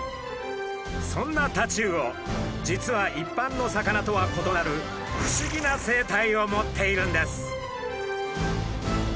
そんなタチウオ実は一般の魚とは異なる不思議な生態を持っているんです。